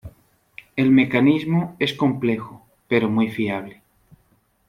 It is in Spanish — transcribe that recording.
El mecanismo es complejo, pero muy fiable.